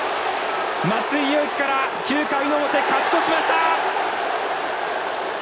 松井裕樹から９回の表勝ち越しました！